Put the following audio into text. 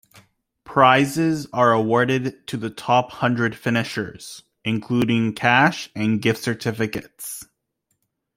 Prizes are awarded to the top hundred finishers, including cash and gift certificates.